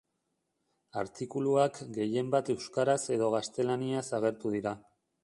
Artikuluak gehienbat euskaraz edo gaztelaniaz agertu dira.